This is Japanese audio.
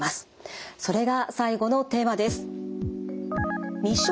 それが最後のテーマです。